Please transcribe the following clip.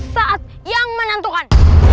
saat yang menantukan